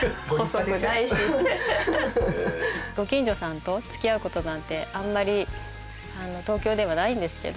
ご近所さんと付き合う事なんてあんまり東京ではないんですけど